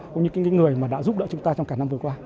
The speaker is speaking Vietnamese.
cũng như những người đã giúp đỡ chúng ta trong năm vừa qua